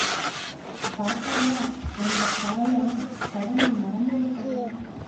பார்த்தாயா, அந்தப் பாழான் கடனை மறந்து விட்டேனே!